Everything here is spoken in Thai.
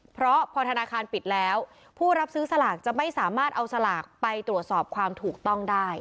เพราะพอธนาคารปิดแล้วผู้รับซื้อสลากจะไม่สามารถเอาสลากไปตรวจสอบความถูกต้องได้